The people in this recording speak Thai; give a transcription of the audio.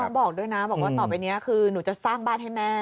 บอกด้วยนะบอกว่าต่อไปนี้คือหนูจะสร้างบ้านให้แม่